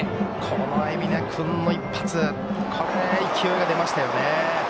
この海老根君の一発で勢いが出ましたよね。